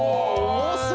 重そう！